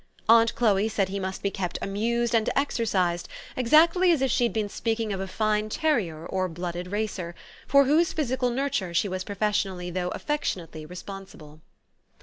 Aunt Chloe said he must be kept amused and ex ercised, exactly as if she had been speaking of a fine terrier or blooded racer, for whose physical nurture she was professionally though affectionately respon sible.